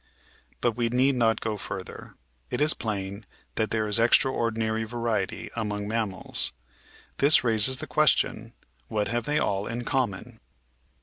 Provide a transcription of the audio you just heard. But we need not go further ; it is plain that there is extraordinary variety among mammals. This raises the question, what have they all in common